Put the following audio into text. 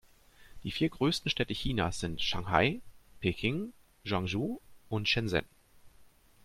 Die vier größten Städte Chinas sind Shanghai, Peking, Guangzhou und Shenzhen.